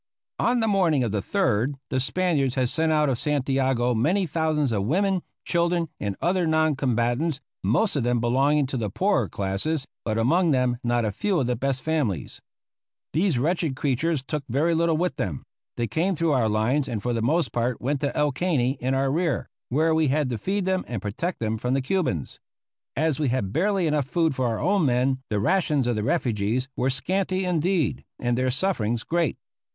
On the morning of the 3rd the Spaniards had sent out of Santiago many thousands of women, children, and other non combatants, most of them belonging to the poorer classes, but among them not a few of the best families. These wretched creatures took very little with them. They came through our lines and for the most part went to El Caney in our rear, where we had to feed them and protect them from the Cubans. As we had barely enough food for our own men the rations of the refugees were scanty indeed and their sufferings great.